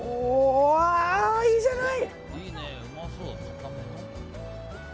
いいじゃない。